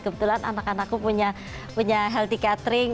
kebetulan anak anakku punya healthy catering